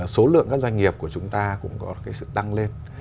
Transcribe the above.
số lượng các doanh nghiệp của chúng ta cũng có sự tăng lên